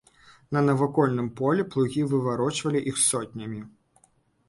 На навакольным полі плугі выварочвалі іх сотнямі.